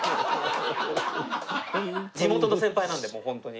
地元の先輩なんでもうホントに。